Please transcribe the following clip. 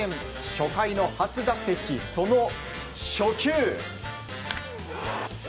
初回の初打席、その初球。